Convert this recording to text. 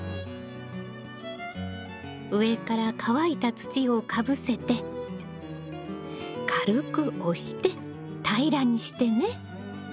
上から乾いた土をかぶせて軽く押して平らにしてね。